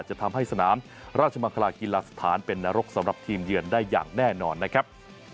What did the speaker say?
จะทำให้สนามราชมังคลากีฬาสถานเป็นนรกสำหรับทีมเยือนได้อย่างแน่นอนนะครับ